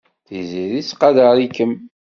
Tiziri tettqadar-ikem.